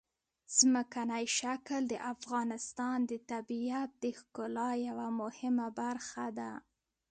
ځمکنی شکل د افغانستان د طبیعت د ښکلا یوه مهمه برخه ده.